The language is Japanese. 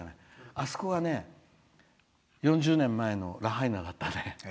あそこがね、４０年前のラハイナだったね。